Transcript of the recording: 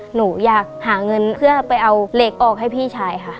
หนูอยากหาเงินเพื่อไปเอาเหล็กออกให้พี่ชายค่ะ